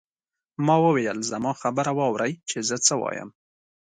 ما وویل زما خبره واورئ چې زه څه وایم.